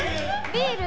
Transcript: ビール？